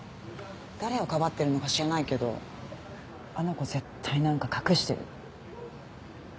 誰をかばってるのか知らないけどあの子絶対なんか隠してる。